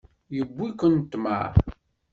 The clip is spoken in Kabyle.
Yewwi-ken ṭṭmeɛ.